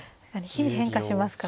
日々変化しますからね。